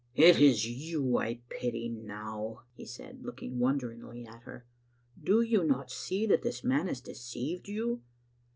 " It is you I pity now," he said, looking wonderingly at her. " Do you not see that this man has deceived you?